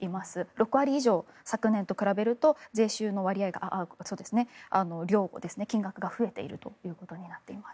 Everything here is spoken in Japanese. ６割以上、昨年と比べると税収の割合が増えているということになります。